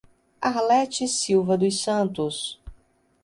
Arlete Silva dos Santos